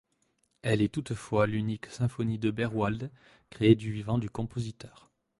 Elle est toutefois l'unique symphonie de Berwald créée du vivant du compositeur.